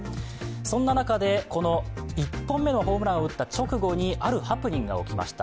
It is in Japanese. そんな中で、この１本目のホームランを打った直後にあるハプニングが起きました。